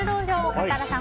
笠原さん